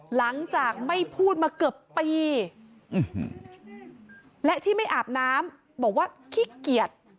หลังจากไม่พูดมาเกือบปีและที่ไม่อาบน้ำบอกว่าขี้เกียจ